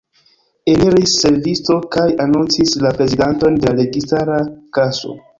Eniris servisto kaj anoncis la prezidanton de la registara kaso.